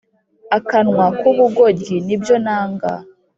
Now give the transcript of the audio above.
akanwa ku bugoryi nibyo nanga